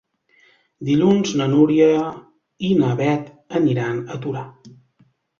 Dilluns na Núria i na Beth aniran a Torà.